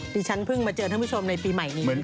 ที่ฉันเพิ่งมาเจอท่านผู้ชมในปีใหม่นี้